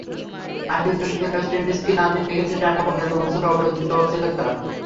আশির দশকের ওয়েস্ট ইন্ডিজকে আমি দেখেছি, টানা পনেরো বছর অপরাজিত ছিল তারা।